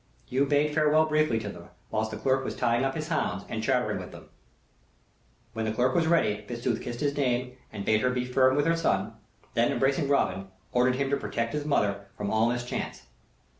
Hugh bade farewell briefly to them, while the clerk was tying up his hounds and chattering with them. When the clerk was ready Fitzooth kissed his dame and bade her be firm with their son; then, embracing Robin, ordered him to protect his mother from all mischance.